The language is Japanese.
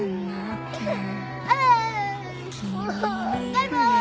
バイバーイ！